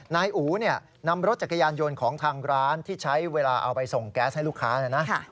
นายอู๋เนี่ยนำรถจักรยานยนต์ของทางร้านที่ใช้เวลาเอาไปส่งแก๊สให้ลูกค้านะนะ